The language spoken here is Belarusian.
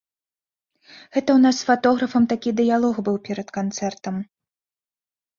Гэта ў нас з фатографам такі дыялог быў перад канцэртам.